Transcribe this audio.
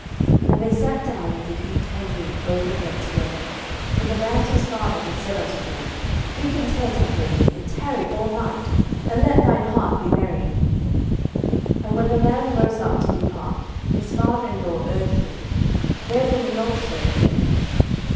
07:019:006 And they sat down, and did eat and drink both of them together: for the damsel's father had said unto the man, Be content, I pray thee, and tarry all night, and let thine heart be merry. 07:019:007 And when the man rose up to depart, his father in law urged him: therefore he lodged there again.